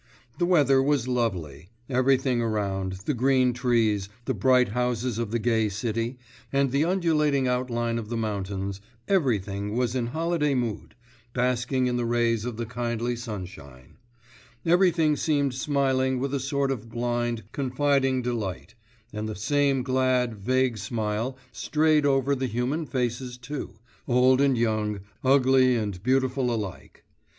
The weather was lovely; everything around the green trees, the bright houses of the gay city, and the undulating outline of the mountains everything was in holiday mood, basking in the rays of the kindly sunshine; everything seemed smiling with a sort of blind, confiding delight; and the same glad, vague smile strayed over the human faces too, old and young, ugly and beautiful alike.